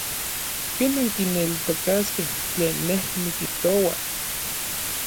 ¿ken ankineltokaskej tlen nej nikijtoua?